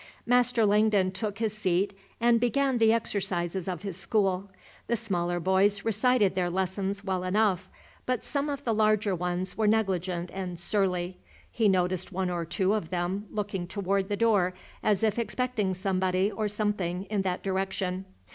Master Langdon took his seat and began the exercises of his school. The smaller boys recited their lessons well enough, but some of the larger ones were negligent and surly. He noticed one or two of them looking toward the door, as if expecting somebody or something in that direction.